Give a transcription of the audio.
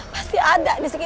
pasti ada disini